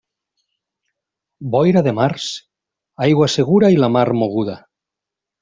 Boira de març, aigua segura i la mar moguda.